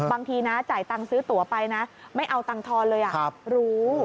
บางทีนะจ่ายตังค์ซื้อตัวไปนะไม่เอาตังค์ทอนเลยรู้